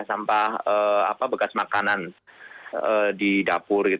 sampah bekas makanan di dapur